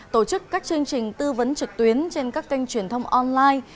tổ chức các chương trình tư vấn trực tuyến trên các kênh truyền thông online